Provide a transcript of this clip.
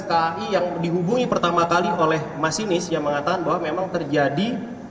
kki yang dihubungi pertama kali oleh masinis yang mengatakan bahwa memang terjadi